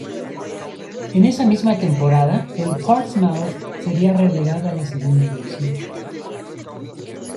En esa misma temporada, el Portsmouth sería relegado a la segunda división.